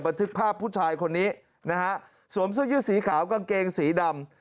ทึกภาพผู้ชายคนนี้นะฮะสวมเสื้อยืดสีขาวกางเกงสีดำ